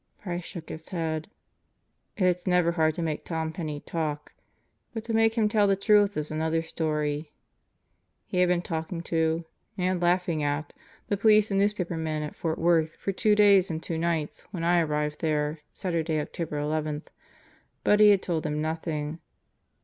Price shook his head. "It's never hard to make Tom Penney talk, but to make him tell the truth is another story. He had been talking to and laughing at the police and newspapermen at Fort Worth for two days and two nights when I arrived there Saturday, October 11; but he had told them nothing.